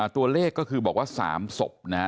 ตัวเลขก็คือบอกว่า๓ศพนะฮะ